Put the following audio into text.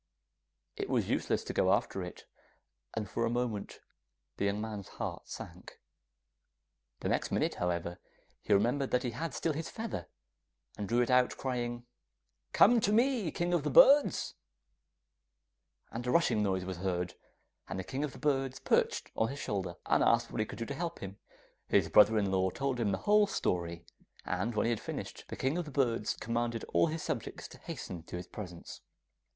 It was useless to go after it, and for a moment the young man's heart sank. The next minute, however, he remembered that he had still his feather, and drew it out crying, 'Come to me, King of the Birds!' and a rushing noise was heard, and the King of the Birds perched on his shoulder, and asked what he could do to help him. His brother in law told him the whole story, and when he had finished the King of the Birds commanded all his subjects to hasten to his presence.